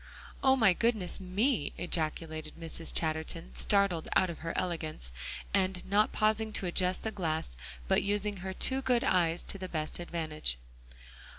"Oh, my goodness me," ejaculated Mrs. Chatterton, startled out of her elegance, and not pausing to adjust the glass, but using her two good eyes to the best advantage.